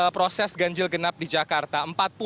proses ganjil genap di jakarta